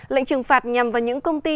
lệnh trừng phạt nhằm vào những công ty